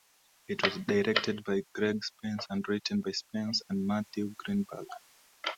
It was directed by Greg Spence and written by Spence and Matthew Greenberg.